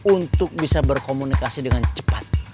untuk bisa berkomunikasi dengan cepat